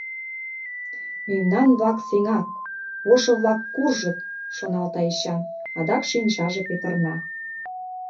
«Мемнан-влак сеҥат, ошо-влак куржыт!» — шоналта Эчан, адак шинчаже петырна.